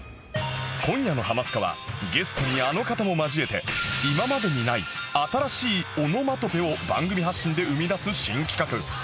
今夜の『ハマスカ』はゲストにあの方も交えて今までにない新しいオノマトペを番組発信で生み出す新企画